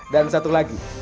dan satu lagi